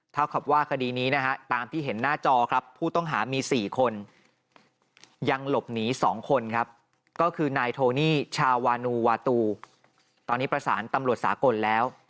เท่ากับว่าคดีนี้นะฮะตามที่เห็นหน้าจอครับผู้ต้องหามี๔คนยังหลบหนี๒คนครับก็คือนายโทนี่ชาวานูวาตูตอนนี้ประสานตำรวจสากลแล้ว